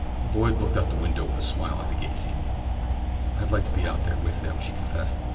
Lloyd looked out the window with a smile at the gay scene. "I'd like to be out there with them," she confessed.